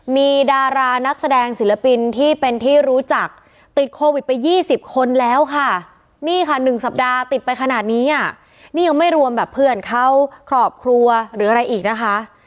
มีดารานักแสดงศิลปินที่เป็นที่รู้จักติดโควิดไปยี่สิบคนแล้วค่ะ